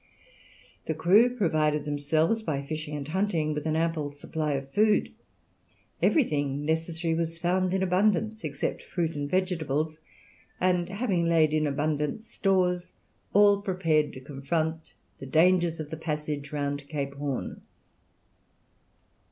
The crew provided themselves by fishing and hunting with an ample supply of food; everything necessary was found in abundance, except fruit and vegetables; and having laid in abundant stores, all prepared to confront the dangers of the passage round Cape Horn.